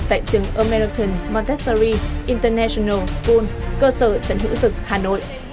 tại trường american montessori international school cơ sở trần hữu dực hà nội